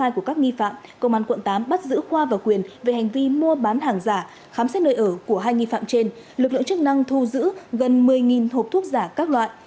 công an quận tám bắt giữ khoa và quyền về hành vi mua bán hàng giả khám xét nơi ở của hai nghi phạm trên lực lượng chức năng thu giữ gần một mươi hộp thuốc giả các loại